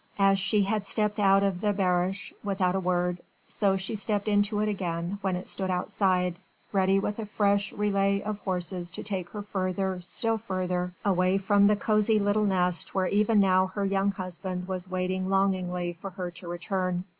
As she had stepped out of the barouche without a word, so she stepped into it again when it stood outside, ready with a fresh relay of horses to take her further, still further, away from the cosy little nest where even now her young husband was waiting longingly for her return.